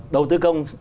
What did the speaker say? đầu tư công